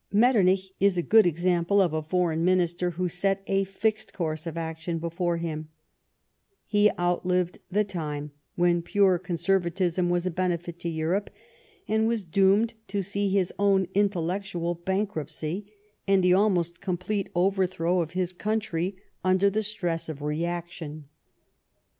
Mettemich is a good exampleof a Foreign Ministerwho set a fixed course of action before him ; he outlived the time when pure Conservatism was a benefit to Europe, and was doomed to see his own intellectual bankruptcy, and the almost complete overthrow of his country under the stress of BMGIAN INDEPENDENCE. 39 reaction.